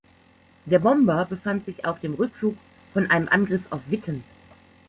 Der Bomber befand sich auf dem Rückflug von einem Angriff auf Witten.